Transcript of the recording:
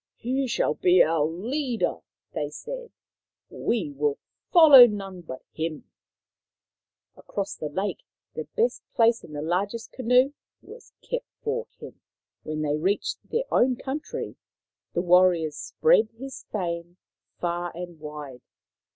" He shall be our leader," they said. " We will follow none but him." Across the lake the best place in the largest canoe was kept for him. When they reached their own country the warriors spread his fame far and wide.